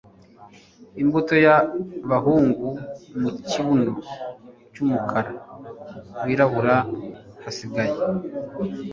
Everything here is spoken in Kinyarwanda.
Imbuto y'abahungu mu kibuno cy'umukara wirabura hasigaye.